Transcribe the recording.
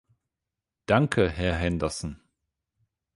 Danke, Herr Henderson!